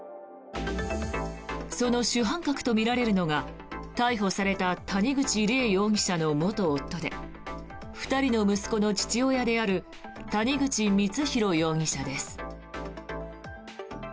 その主犯格とみられるのが逮捕された谷口梨恵容疑者の元夫で２人の息子の父親である谷口光弘容疑者です。